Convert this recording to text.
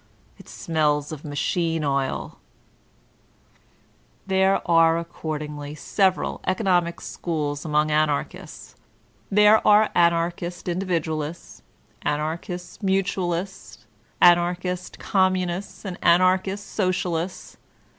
it smelk of machine oiL" There are, accordingly, several economic schools among Anarchists ; there are Anarchist Individualists, Anarchist Mntualists, Anarchist Communists and Anarchist So cialists.